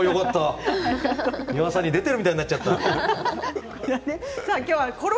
「ミワさん」に出てるみたいになっちゃった。